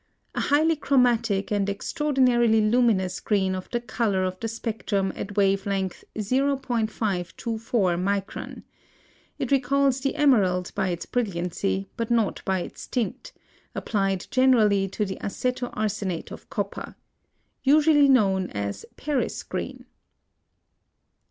A highly chromatic and extraordinarily luminous green of the color of the spectrum at wave length 0.524 micron. It recalls the emerald by its brilliancy, but not by its tint; applied generally to the aceto arsenate of copper. Usually known as Paris green.